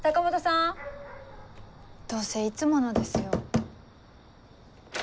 どうせいつものですよ。